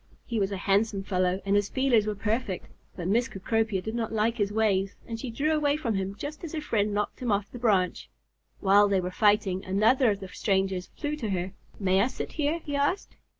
He was a handsome fellow, and his feelers were perfect; but Miss Cecropia did not like his ways, and she drew away from him just as her friend knocked him off the branch. While they were fighting, another of the strangers flew to her. "May I sit here?" he asked.